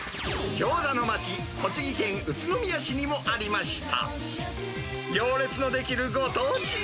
ギョーザの街、栃木県宇都宮市にもありました。